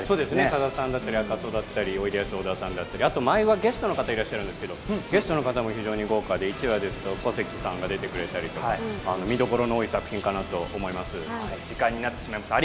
さださんだったり赤楚だったり、おいでやす小田さんだったり、毎話ゲストの方がいらっしゃるんですけれども、１話ですと小関さんが出てくれたりとか、見どころの多い作品かなと思います。